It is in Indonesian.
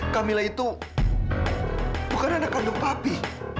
kamila itu bukan anak kandung papi